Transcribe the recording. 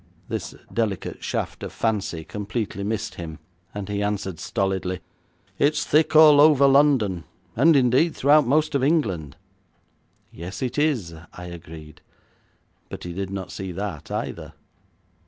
This delicate shaft of fancy completely missed him, and he answered stolidly, 'It's thick all over London, and, indeed, throughout most of England.' 'Yes, it is,' I agreed, but he did not see that either.